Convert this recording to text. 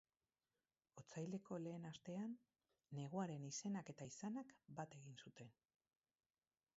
Otsaileko lehen astean, neguaren izenak eta izanak bat egin zuten.